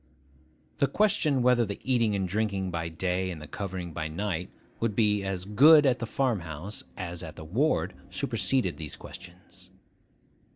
The question whether the eating and drinking by day, and the covering by night, would be as good at the farm house as at the ward superseded those questions.